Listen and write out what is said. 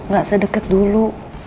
gak sedeket dulu